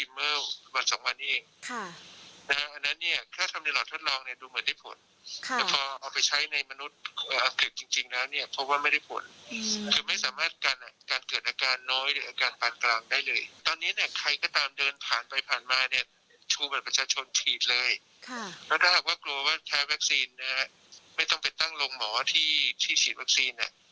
ไม่ต้องไปตั้งโรงหมอที่ฉีดวัคซีน